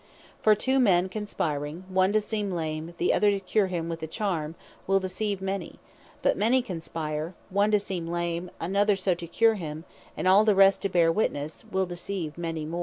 For two men conspiring, one to seem lame, the other to cure him with a charme, will deceive many: but many conspiring, one to seem lame, another so to cure him, and all the rest to bear witnesse; will deceive many more.